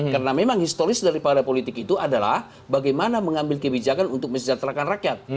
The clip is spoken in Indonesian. karena memang historis dari para politik itu adalah bagaimana mengambil kebijakan untuk menjatuhkan rakyat